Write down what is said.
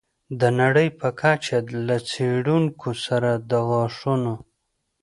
د نړۍ په کچه له څېړونکو سره د غاښونو